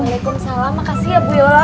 waalaikumsalam makasih ya bu yola